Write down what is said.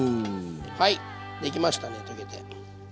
はいできましたね溶けて。